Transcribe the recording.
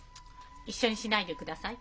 一緒にしないでください。